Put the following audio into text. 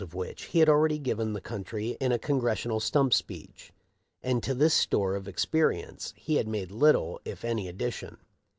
of which he had already given the country in a Con gressional stump speech ; and to this store of expe rience he had made little if any addition.